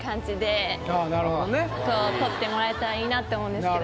撮ってもらえたらいいなって思うんですけど。